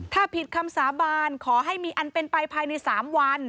ถ้าผิดคำสาบานขอให้มีอันเป็นไปภายใน๓วัน